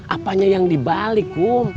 apanya yang dibalik kum